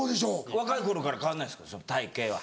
若い頃から変わんないですか体形は。